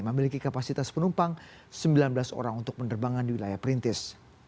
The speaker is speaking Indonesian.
memiliki kapasitas penumpang sembilan belas orang untuk penerbangan di wilayah perintis